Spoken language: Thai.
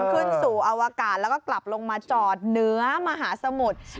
ขึ้นสู่อวกาศแล้วก็กลับลงมาจอดเหนือมหาสมุทร